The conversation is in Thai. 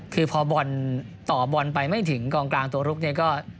คือพอบอนส์ต่อบอนส์ไปไม่ถึงกลางตัวลุกเนี่ยก็